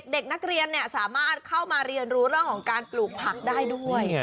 เด็กนักเรียนสามารถเข้ามาเรียนรู้เรื่องของการปลูกผักได้ด้วย